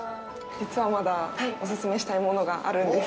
実は、まだお勧めしたいものがあるんです。